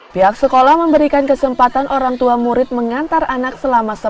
pihak sekolah memberikan kesempatan orang tua murid mengantar anak selama sepuluh tahun